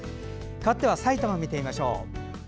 かわってはさいたまを見てみましょう。